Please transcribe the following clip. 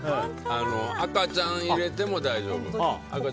赤ちゃんが入れても大丈夫。